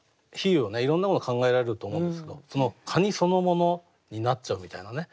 いろんなもの考えられると思うんですけどカニそのものになっちゃうみたいなね